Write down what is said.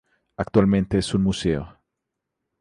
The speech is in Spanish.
Actualmente es un un museo.